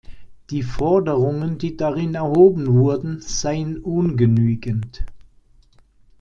Die Forderungen, die darin erhoben wurden, seien ungenügend.